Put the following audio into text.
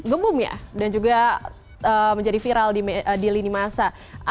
gebum ya dan juga menjadi viral di lini masa